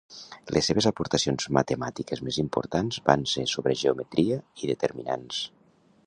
Les seves aportacions matemàtiques més importants van ser sobre geometria i determinants.